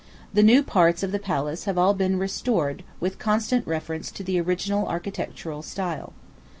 The new parts of the palace have all been restored with constant reference to the original architectural style.